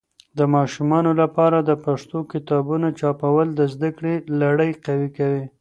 د ماشومانو لپاره د پښتو کتابونه چاپول د زده کړې لړی قوي کوي.